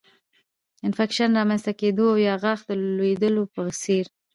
انفکشن رامنځته کېدو او یا غاښ د لوېدو په څېر